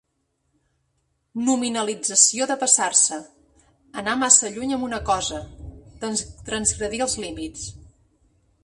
Nominalització de 'passar-se', anar massa lluny amb una cosa, transgredir els límits.